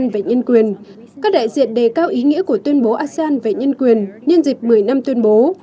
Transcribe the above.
về cao ý nghĩa của tuyên bố asean về nhân quyền nhân dịp một mươi năm tuyên bố